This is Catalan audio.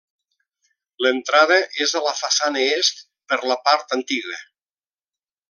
L'entrada és a la façana est per la part antiga.